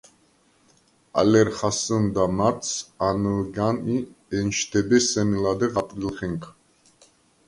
ალე ერ ხასჷ̄ნდა მარტს, ანჷ̄გან ი ენშდებე სემი ლადეღ აპრილხენქა.